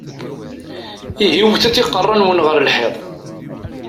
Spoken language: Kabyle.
Ihi wwtet iqeṛṛa-nwen ɣer lḥiḍ!